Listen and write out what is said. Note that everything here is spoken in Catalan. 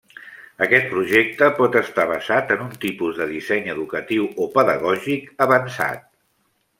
Aquest projecte pot estar basat en un tipus de disseny educatiu o 'pedagògic' avançat.